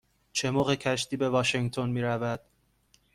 چه موقع کشتی به واشینگتن می رود؟